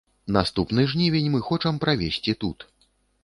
Наступны жнівень мы хочам правесці тут.